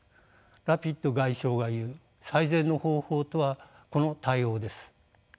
ラピド外相が言う最善の方法とはこの対応です。